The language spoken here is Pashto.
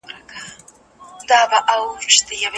زده کوونکو ته د تګ راتګ منظم وسایل نه وو.